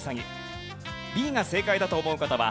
Ｂが正解だと思う方は＃